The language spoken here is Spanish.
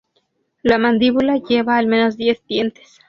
La mandíbula lleva al menos diez dientes.